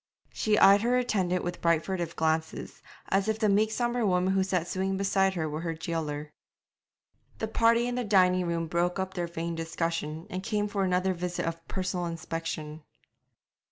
She eyed her attendant with bright furtive glances, as if the meek sombre woman who sat sewing beside her were her jailer. The party in the dining room broke up their vain discussion, and came for another visit of personal inspection.